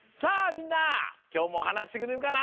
みんなきょうもおはなししてくれるかな？